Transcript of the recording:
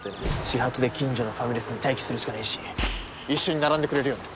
始発で近所のファミレスで待機するしかねえし一緒に並んでくれるよな？